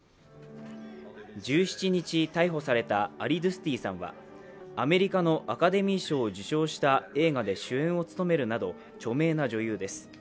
１７日、逮捕されたアリドゥスティさんはアメリカのアカデミー賞を受賞した映画で主演を務めるなど著名な女優です。